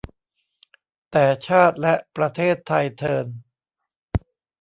แต่ชาติและประเทศไทยเทอญ